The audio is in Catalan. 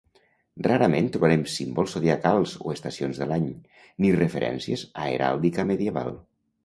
Rarament trobarem símbols zodiacals o estacions de l'any, ni referències a heràldica medieval.